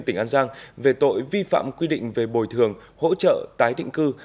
tỉnh an giang về tội vi phạm quy định về bồi thường hỗ trợ tái định cư